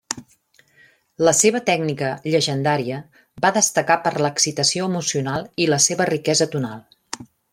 La seva tècnica llegendària va destacar per l'excitació emocional i la seva riquesa tonal.